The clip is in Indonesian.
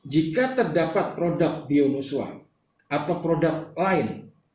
jika terdapat produk bionuswa atau produk lain